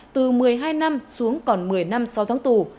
từ một mươi hai năm xuống còn một mươi năm sau tháng tù